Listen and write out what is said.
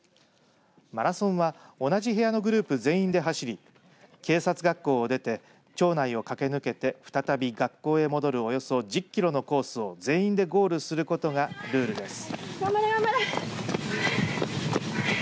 マラソンは同じ部屋のグループ全員で走り警察学校を出て町内を駆け抜けて再び学校へ戻るおよそ１０キロのコースを全員でゴールすることがルールです。